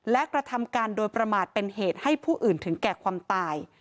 และกระทำการโดยประมาทเป็นเหตุให้ผู้อื่นถึงแก่ความตาย